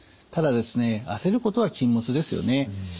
ただですね焦ることは禁物ですよね。